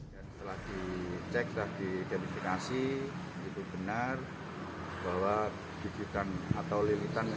setelah dicek telah diidentifikasi itu benar bahwa gigitan atau lilitan